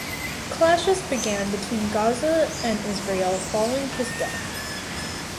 Clashes began between Gaza and Israel following his death.